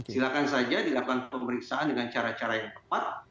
silakan saja dilakukan pemeriksaan dengan cara cara yang tepat